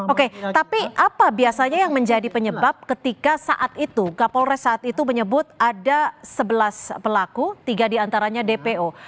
oke tapi apa biasanya yang menjadi penyebab ketika saat itu kapolres saat itu menyebut ada sebelas pelaku tiga diantaranya dpo